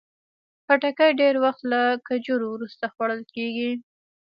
خټکی ډېر وخت له کجورو وروسته خوړل کېږي.